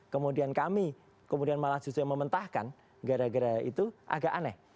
kemudian kami kemudian malah justru mementahkan gara gara itu agak aneh